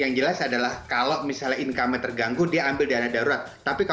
yang jelas adalah kalau misalnya income nya terganggu dia ambil dana darurat